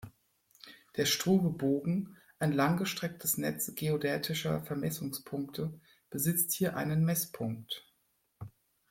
Der Struve-Bogen, ein langgestrecktes Netz geodätischer Vermessungspunkte, besitzt hier einen Messpunkt.